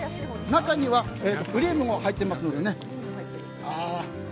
中にはクリームが入っていますのでね。